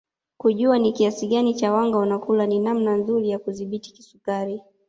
Kujua ni kiasi gani cha wanga unakula ni namna nzuri ya kudhibiti kisukari